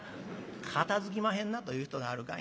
「『片づきまへんな』と言う人があるかいな。